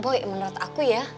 boy menurut aku ya